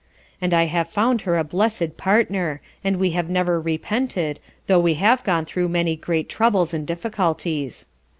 And I have found her a blessed partner, and we have never repented, tho' we have gone through many great troubles and difficulties.